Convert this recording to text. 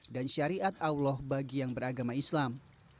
dan syariat allah bagi yang beragama islam